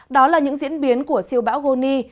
đó là những diễn biến của siêu bão goni